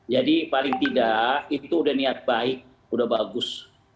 jadi paling tidak itu udah niat baik udah bagus